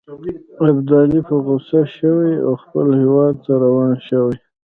ابدالي په غوسه شوی او خپل هیواد ته روان شوی.